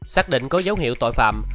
xác định có dấu hiệu tội phạm